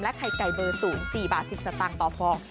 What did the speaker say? ไข่ไก่เบอร์๐๔บาท๑๐สตางค์ต่อฟอง